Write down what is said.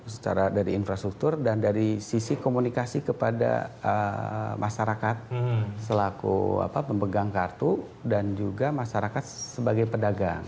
secara dari infrastruktur dan dari sisi komunikasi kepada masyarakat selaku pemegang kartu dan juga masyarakat sebagai pedagang